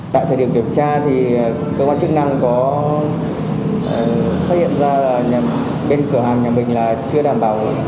tại thời điểm kiểm tra thì cơ quan chức năng có khai hiện ra bên cửa hàng nhà bình là chưa đảm bảo